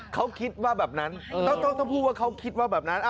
เขาคิดว่าแบบนั้นต้องพูดว่าเขาคิดว่าแบบนั้น